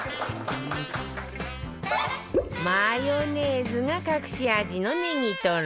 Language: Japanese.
マヨネーズが隠し味のねぎとろ